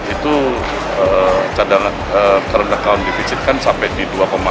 itu terendahkan divisit kan sampai di dua delapan